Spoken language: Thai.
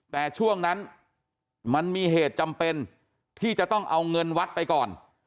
แต่ช่วงนั้นมันมีเหตุจำเป็นที่จะต้องเอาเงินวัดไปก่อน